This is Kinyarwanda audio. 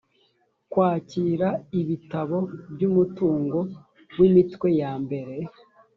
kwakira ibitabo by umutungo w imitwe yambere